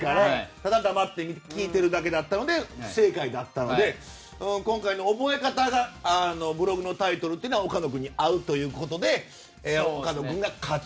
ただ黙って聞いてるだけだったので不正解だったので今回の覚え方がブログのタイトルというのは岡野君に合うということで岡野君が勝つ。